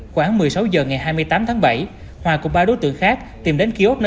khoảng một mươi sáu h ngày hai mươi tám tháng bảy hòa cùng ba đối tượng khác tìm đến kiosk